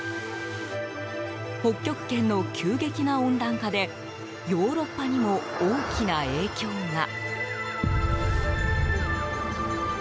北極圏の急激な温暖化でヨーロッパにも大きな影響が。